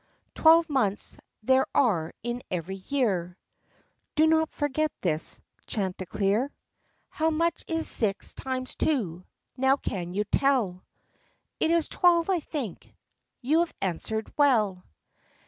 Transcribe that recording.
Twelve months there are in every year; Ho not forget this, Chanticleer. How much is six times two — now can you tell?" " It is twelve, I think." " You have answered well.